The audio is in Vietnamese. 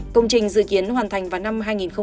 công trình dự kiến hoàn thành vào năm hai nghìn hai mươi